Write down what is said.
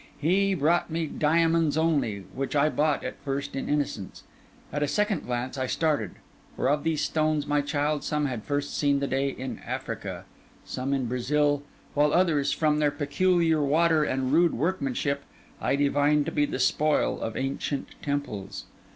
He brought me diamonds only, which I bought, at first, in innocence; at a second glance, I started; for of these stones, my child, some had first seen the day in Africa, some in Brazil; while others, from their peculiar water and rude workmanship, I divined to be the spoil of ancient temples.